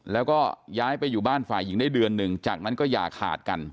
แล้วก็ย้ายไปอยู่บ้านฝ่ายหญิงได้เดือนหนึ่งจากนั้นก็อย่าขาดกัน